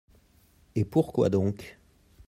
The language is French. Et pourquoi donc ?